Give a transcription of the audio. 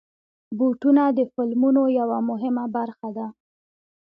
بوټونه د فلمونو یوه مهمه برخه ده.